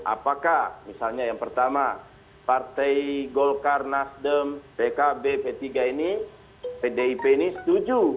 apakah misalnya yang pertama partai golkar nasdem pkb p tiga ini pdip ini setuju